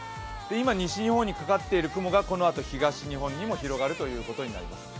今、西日本にかかっている雲が、このあと東日本にも広がるということになります。